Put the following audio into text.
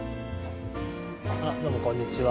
どうもこんにちは。